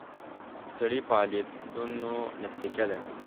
سړي فعالیتونو نتیجه ده.